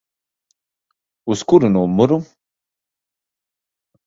Uz kuru numuru?